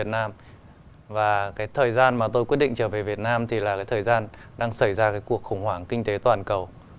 thời gian mà tôi quyết định trở về việt nam thì là cái thời gian đang xảy ra cái cuộc khủng hoảng kinh tế toàn cầu